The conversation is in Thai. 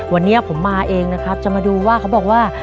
วันนี้ผมมาเองนะครับจะมาดูว่าเขาบอกว่า